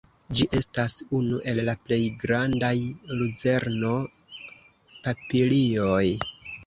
Ĝi estas unu el la plej grandaj luzerno-papilioj.